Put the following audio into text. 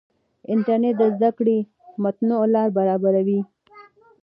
انټرنیټ د زده کړې متنوع لارې برابروي.